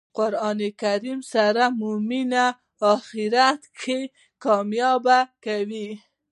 قران کریم سره مینه مو آخرت کښي کامیابه کوي.